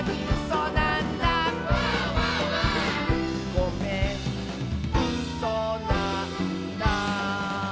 「ごめんうそなんだ」